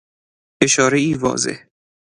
اشارهای واضح